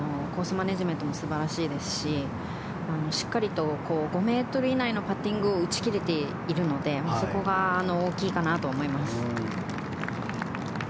マネジメントも素晴らしいですししっかりと５ｍ以内のパッティングを打ち切れているのでそこが大きいかなと思います。